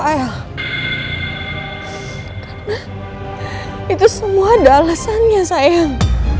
karena itu semua ada alasannya sayang